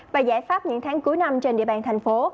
và giải pháp những tháng cuối năm trên địa bàn thành phố